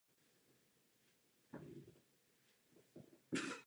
Atentát byl nejhorším teroristickým útokem v historii Argentiny.